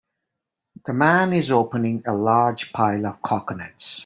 The man is opening a large pile of coconuts.